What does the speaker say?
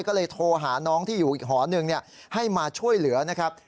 ก็เลยโทรหาน้องที่อยู่อีกหอหนึ่งให้มาช่วยเหลือนะครับ